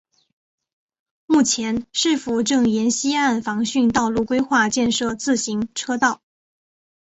目前市府正沿溪岸防汛道路规划建设自行车道。